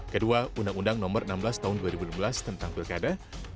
kedua undang undang nomor enam belas tahun dua ribu lima belas tentang pilkada